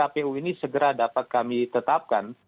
dan waktu ini segera dapat kami tetapkan